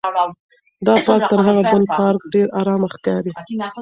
دا پارک تر هغه بل پارک ډېر ارامه ښکاري.